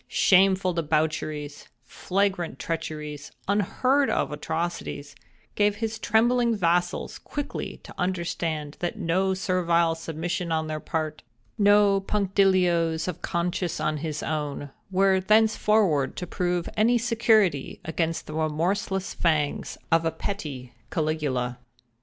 Shameful debaucheries—flagrant treacheries—unheard of atrocities—gave his trembling vassals quickly to understand that no servile submission on their part—no punctilios of conscience on his own—were thenceforward to prove any security against the remorseless fangs of a petty Caligula.